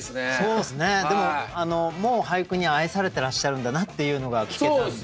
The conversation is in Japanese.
でももう俳句に愛されてらっしゃるんだなっていうのが聞けたんで。